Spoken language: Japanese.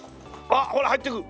あっほら入ってく！